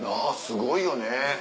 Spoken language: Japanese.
すごいよね。